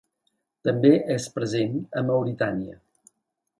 També és present a Mauritània.